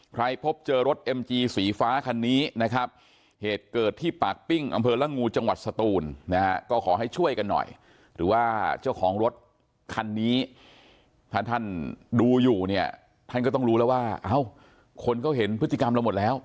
พบเจอรถเอ็มจีสีฟ้าคันนี้นะครับเหตุเกิดที่ปากปิ้งอำเภอละงูจังหวัดสตูนนะฮะก็ขอให้ช่วยกันหน่อยหรือว่าเจ้าของรถคันนี้ถ้าท่านดูอยู่เนี่ยท่านก็ต้องรู้แล้วว่าเอ้าคนเขาเห็นพฤติกรรมเราหมดแล้ว